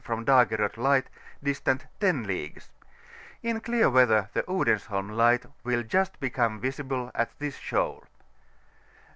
from Dagerort Liffht, distant 10 leagues. In clear weather the Odensholm Light will just become visible at this shoal.